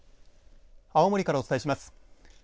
青森からお伝えします。